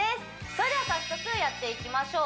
それでは早速やっていきましょう